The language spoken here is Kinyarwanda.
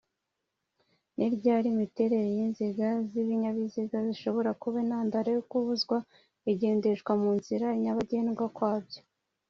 ni ryari imiterere y’inziga z’ibinyabiziga ishobora kuba intandaro yokubuzwa kugendeshwa munzira nyabagendwa kwabyo